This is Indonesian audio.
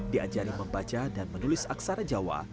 diajari membaca dan menulis aksara jawa